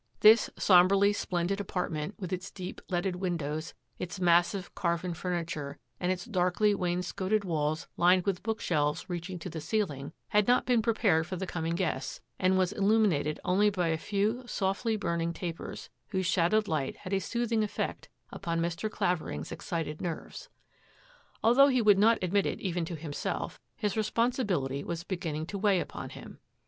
This sombrely splendid apartment, with its deep, leaded windows, its massive carven furniture, and its darkly wainscoted walls lined with bookshelves reaching to the ceiling, had not been prepared for the coming guests and was il lumined only by a few softly burning tapers, whose shadowed light had a soothing effect upon Mr. Clavering's excited nerves. Although he would not admit it even to himself, his responsibility was beginning to weigh upon him.